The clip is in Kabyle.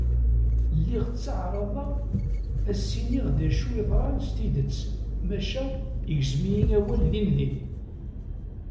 Lliɣ ttεaraḍeɣ ad s-iniɣ d acu yeḍran s tidet, maca igzem-iyi awal din din.